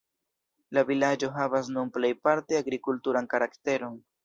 La vilaĝo havas nun plejparte agrikulturan karakteron.